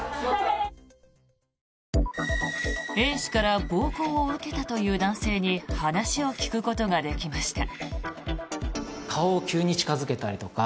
Ａ氏から暴行を受けたという男性に話を聞くことができました。